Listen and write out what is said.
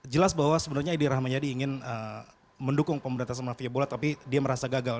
jelas bahwa sebenarnya edi rahmayadi ingin mendukung pemberantasan mafia bola tapi dia merasa gagal